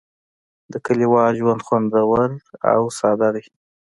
د کلیوال ژوند خوندور او ساده دی.